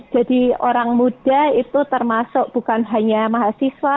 jadi orang muda itu termasuk bukan hanya mahasiswa